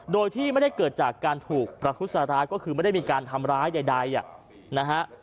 โดยที่ไม่ได้เกิดจากการถูกประคุสร้ายก็คือไม่ได้มีการทำร้ายใดนะฮะ